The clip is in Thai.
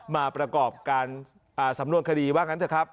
มาประกอบการสำนวนคดีว่างั้นเถอะครับ